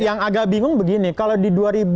yang agak bingung begini kalau di dua ribu dua puluh